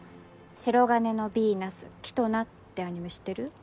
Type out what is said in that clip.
「銀のヴィーナス・キトナ」ってアニメ知ってる？